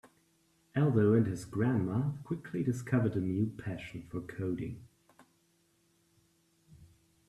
Aldo and his grandma quickly discovered a new passion for coding.